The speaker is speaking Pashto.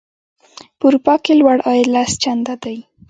په اروپا کې لوړ عاید لس چنده دی.